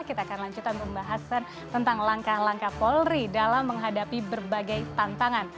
kita akan lanjutkan pembahasan tentang langkah langkah polri dalam menghadapi berbagai tantangan